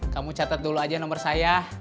kamu catet dulu aja nomer saya